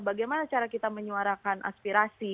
bagaimana cara kita menyuarakan aspirasi